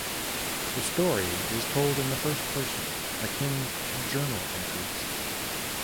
The story is told in the first-person, akin to journal entries.